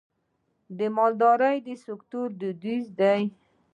د مالدارۍ سکتور دودیز دی